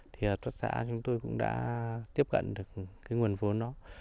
thì hợp tác xã chúng tôi cũng đã tiếp cận được cái nguồn vốn đó